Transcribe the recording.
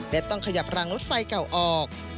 และต้องขยับรางรถไฟเก่าออก